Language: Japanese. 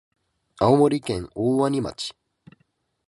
青森県大鰐町